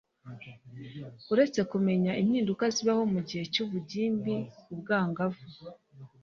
uretse kumenya impiduka zibaho mu gihe cy ubugimbiubwangavu